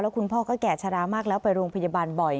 คุณพ่อก็แก่ชะลามากแล้วไปโรงพยาบาลบ่อย